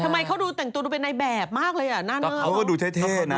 ทำไมเขาดูแต่งตัวดูเป็นในแบบมากเลยอ่ะหน้าเขาก็ดูเท่นะ